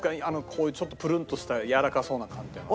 こういうちょっとプルンとしたやわらかそうな寒天は。